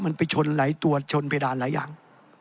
มันไปชนหลายตัวชนเพดานหลายอย่าง